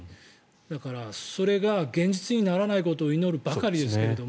だから、それが現実にならないことを祈るばかりですけど。